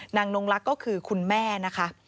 นงลักษณ์ก็คือคุณแม่นะคะ